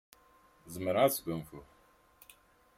Zemreɣ ad sgunfuɣ.